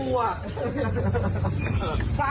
น้ำแม่นหนีใหม่